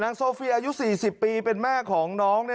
โซเฟียอายุ๔๐ปีเป็นแม่ของน้อง